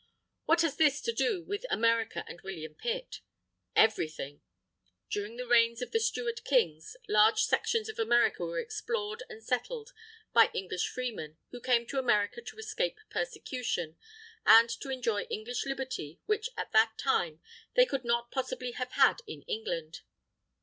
What has this to do with America and William Pitt? Everything! During the reigns of the Stuart Kings, large sections of America were explored and settled by English freemen, who came to America to escape persecution, and to enjoy English Liberty which at that time they could not possibly have had in England.